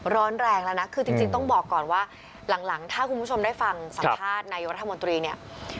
ร้อนแรงแล้วนะคือจริงต้องบอกก่อนว่าหลังถ้าคุณผู้ชมได้ฟังสัมภาษณ์นายกรัฐมนตรีเนี่ย